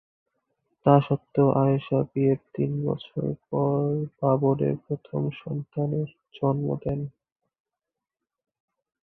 তা সত্ত্বেও, আয়েশা বিয়ের তিন বছর পর বাবরের প্রথম সন্তানের জন্ম দেন।